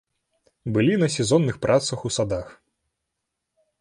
Былі на сезонных працах у садах.